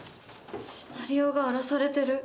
シナリオが荒らされてる。